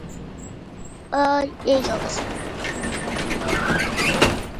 O arcabouço estava propenso a ser deferido por todo o colegiado de líderes